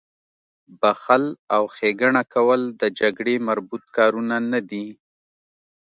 بخښل او ښېګڼه کول د جګړې مربوط کارونه نه دي